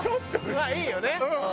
まあいいよね。